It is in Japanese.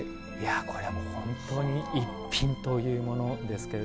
これも本当に一品というものですけど。